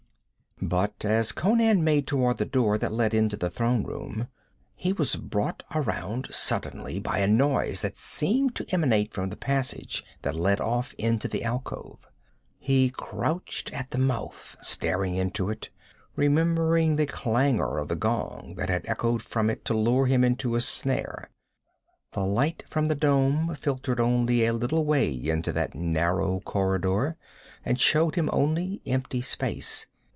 But as Conan made toward the door that led into the throne room, he was brought around suddenly by a noise that seemed to emanate from the passage that led off from the alcove. He crouched at the mouth, staring into it, remembering the clangor of the gong that had echoed from it to lure him into a snare. The light from the dome filtered only a little way into that narrow corridor, and showed him only empty space.